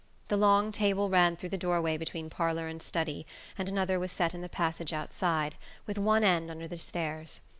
The long table ran through the doorway between parlour and study, and another was set in the passage outside, with one end under the stairs.